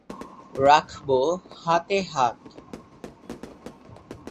রাখবো হাতে হাত।।